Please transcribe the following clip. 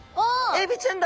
エビちゃんだ！